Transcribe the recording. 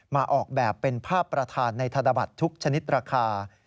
ออกแบบเป็นภาพประธานในธนบัตรทุกชนิดราคา